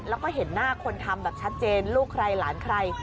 แล้วก็เห็นหน้าคนทำแบบชัดเจนลูกใครหลานใคร